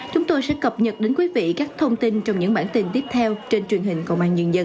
chúng tôi sẽ cập nhật đến quý vị các thông tin trong những bản tin tiếp theo trên truyền hình công an nhân dân